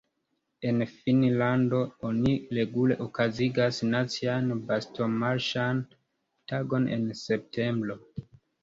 En Finnlando oni regule okazigas nacian bastonmarŝan tagon en septembro.